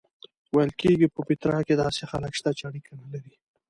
ویل کېږي په پیترا کې داسې خلک شته چې اړیکه نه لري.